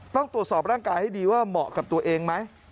ต้องตรวจสอบร่างกายให้ดีว่าเหมาะกับตัวเองไหม